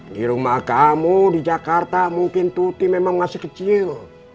di rumah kamu di jakarta mungkin tuti memang masih kecil